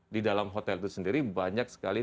di dalam hotel itu sendiri banyak sekali